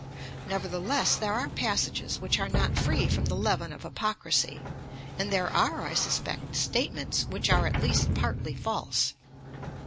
Nevertheless there are passages which are not free from the leaven of hypocrisy, and there are, I suspect, statements which are at least partly false.